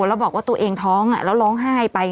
แล้วบอกว่าตัวเองท้องแล้วร้องไห้ไป